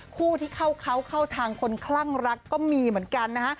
คู่ที่เข้าเขาเข้าทางคนคลั่งรักก็มีเหมือนกันนะฮะ